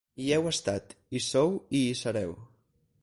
Hi heu estat, hi sou i hi sereu.